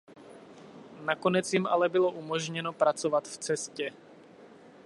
Nakonec jim ale bylo umožněno pokračovat v cestě.